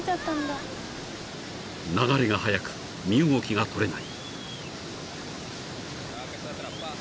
［流れが速く身動きが取れない］